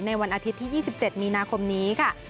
วันอาทิตย์ที่๒๗มีนาคมนี้ค่ะ